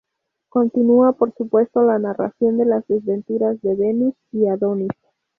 Continúa, por supuesto, la narración de las desventuras de Venus y Adonis.